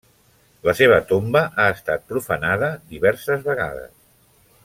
La seva tomba ha estat profanada diverses vegades.